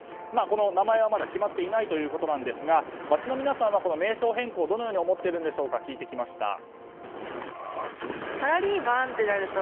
この名前は決まっていないということですが街の皆さんは名称変更どのように思っているのか聞いてきました。